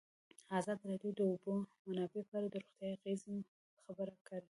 ازادي راډیو د د اوبو منابع په اړه د روغتیایي اغېزو خبره کړې.